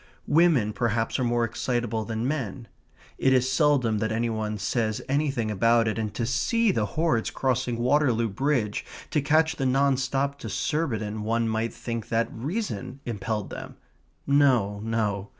Women perhaps are more excitable than men. It is seldom that any one says anything about it, and to see the hordes crossing Waterloo Bridge to catch the non stop to Surbiton one might think that reason impelled them. No, no.